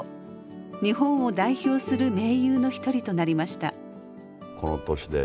日本を代表する名優の一人となりました。